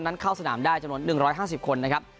นั้นเข้าสนามได้จะลง๑๕๐คนนะครับ